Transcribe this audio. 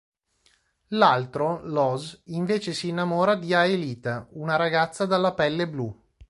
L'altro, Los, invece si innamora di Aelita, una ragazza dalla pelle blu.